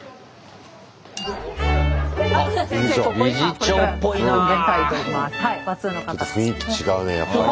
ちょっと雰囲気違うねやっぱり。